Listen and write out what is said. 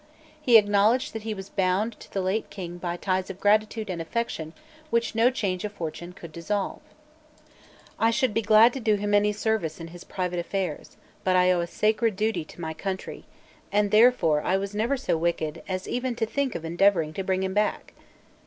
He acknowledged that he was bound to the late King by ties of gratitude and affection which no change of fortune could dissolve. "I should be glad to do him any service in his private affairs: but I owe a sacred duty to my country; and therefore I was never so wicked as even to think of endeavouring to bring him back."